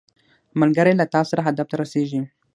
ملګری له تا سره هدف ته رسیږي